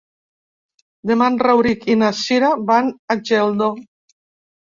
Demà en Rauric i na Cira van a Geldo.